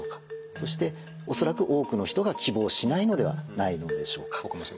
そして恐らく多くの人が希望しないのではないでしょうか。